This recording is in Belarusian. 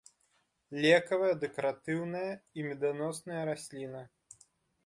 Лекавая, дэкаратыўная і меданосная расліна.